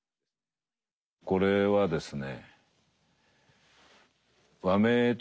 これはですね